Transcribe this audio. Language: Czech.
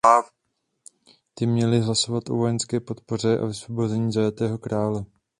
Ty měly hlasovat o vojenské podpoře a vysvobození zajatého krále.